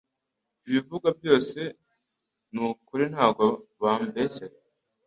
ibivugwa byose nikuri ntago bambeshyera